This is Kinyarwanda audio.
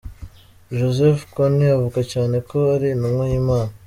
Joseph Kony avuga cyane ko ari intumwa y’Imana.